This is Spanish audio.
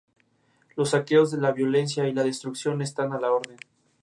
Este asunto se ha resuelto amistosamente por las dos partes: Kamp y D-Link.